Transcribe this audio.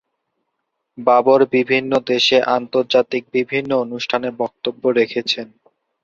বাবর বিভিন্ন দেশে আন্তর্জাতিক বিভিন্ন অনুষ্ঠানে বক্তব্য রেখেছেন।